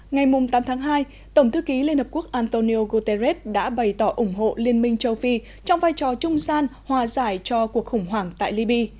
ngày tám tháng hai tổng thư ký liên hợp quốc antonio guterres đã bày tỏ ủng hộ liên minh châu phi trong vai trò trung gian hòa giải cho cuộc khủng hoảng tại libya